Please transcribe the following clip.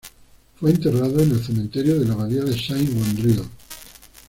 Fue enterrado en el cementerio de la Abadía de Saint-Wandrille.